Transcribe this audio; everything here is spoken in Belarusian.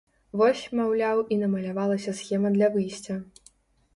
Вось, маўляў, і намалявалася схема для выйсця.